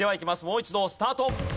もう一度スタート。